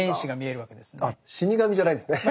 死に神じゃないですね。